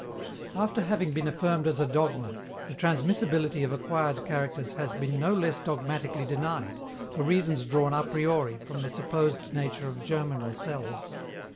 After having been affirmed as a dogma, the transmissibility of acquired characters has been no less dogmatically denied, for reasons drawn a priori from the supposed nature of germinal cells.